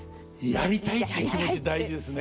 やりたいっていう気持ち大事ですね。